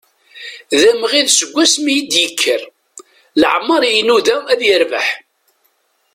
D amɣid seg wasmi i d-ikker, leɛmer i inuda ad yerbeḥ.